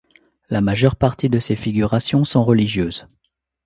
La majeure partie de ces figurations sont religieuses.